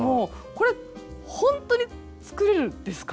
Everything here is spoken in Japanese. これほんとに作れるんですか？